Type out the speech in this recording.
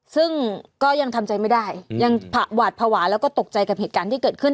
ซึ่งก็ยังทำใจไม่ได้ยังหวาดภาวะแล้วก็ตกใจกับเหตุการณ์ที่เกิดขึ้น